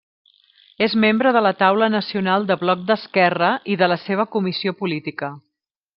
És membre de la taula nacional de Bloc d'Esquerra i de la seva comissió política.